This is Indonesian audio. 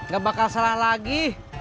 gak bakal salah lagi